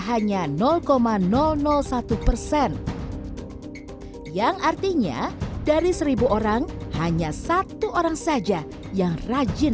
hanya satu persen yang artinya dari seribu orang hanya satu orang saja yang rajin